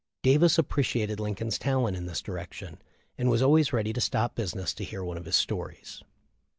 Davis appreciated Lincoln's talent in this direction, and was always ready to stop business to hear one of his stories.